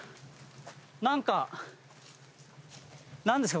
何か何ですか？